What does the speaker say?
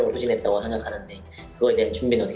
pertama sekali perjuangan kesehatan adalah yang paling penting